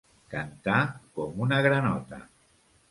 Cantar com una granota.